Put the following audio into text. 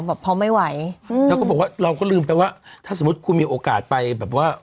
แบบพอไม่ไหวอืมแล้วก็บอกว่าเราก็ลืมไปว่าถ้าสมมุติคุณมีโอกาสไปแบบว่า